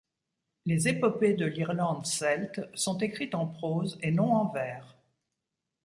Les épopées de l’Irlande celte sont écrites en prose et non en vers.